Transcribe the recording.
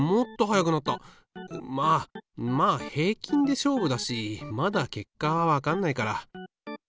まあまあ平均で勝負だしまだ結果はわかんないから。